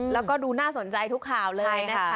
แล้วก็ดูน่าสนใจทุกข่าวเลยนะคะ